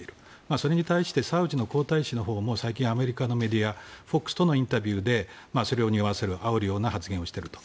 それに対してサウジの皇太子のほうも最近アメリカのメディアＦＯＸとのインタビューでそれをにおわせる、あおるような発言をしていると。